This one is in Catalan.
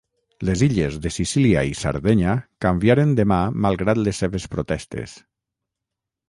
Les illes de Sicília i Sardenya canviaren de mà malgrat les seves protestes.